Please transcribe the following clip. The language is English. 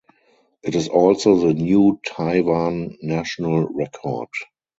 It is also the new Taiwan national record.